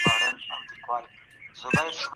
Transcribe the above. مځکه مسولیت دئ